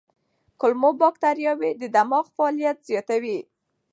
کولمو بکتریاوې د دماغ فعالیت زیاتوي.